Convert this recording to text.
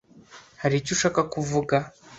Hari icyo ushaka kuvuga, ?